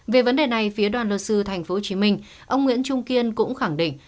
về vấn đề này phía đoàn luật sư tp hcm ông nguyễn trung kiên cũng khẳng định